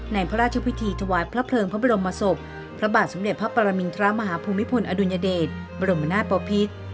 พระราชพิธีถวายพระเพลิงพระบรมศพพระบาทสมเด็จพระปรมินทรมาฮภูมิพลอดุลยเดชบรมนาศปภิษ